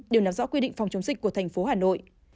đều nắm rõ quy định phòng chống dịch của thành phố hà nội